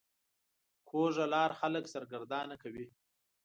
کوږه لار خلک سرګردانه کوي